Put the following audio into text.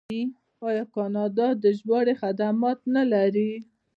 آیا کاناډا د ژباړې خدمات نلري؟